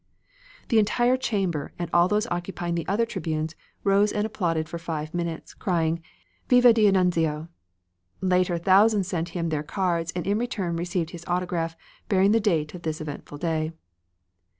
The entire chamber, and all those occupying the other tribunes, rose and applauded for five minutes, crying "Viva D'Annunzio!" Later thousands sent him their cards and in return received his autograph bearing the date of this eventful day.